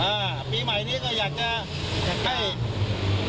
อ่าปีใหม่นี้ก็อยากจะอยากให้